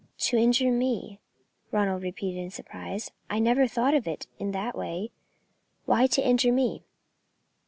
"To injure me," Ronald repeated in surprise. "I never thought of it in that way. Why to injure me?"